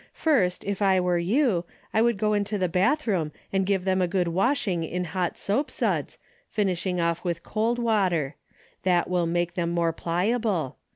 First, if I were you, I would go into the bathroom and give them a good washing in hot soap suds, finishing off with cold water. That will make them more pliable.